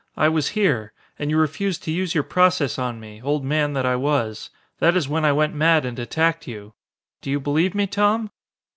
I was here. And you refused to use your process on me, old man that I was. Then is when I went mad and attacked you. Do you believe me, Tom?"